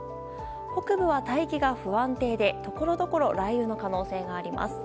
北部は大気が不安定でところどころ雷雨の可能性があります。